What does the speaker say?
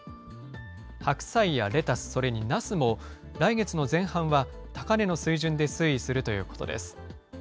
白菜やレタス、それになすも、来月の前半は高値の水準で推移するということです。